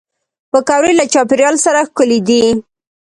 پکورې له چاپېریال سره ښکلي دي